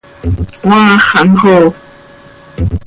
Cmaax xaa mxoofp.